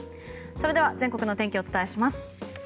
それでは全国の天気をお伝えします。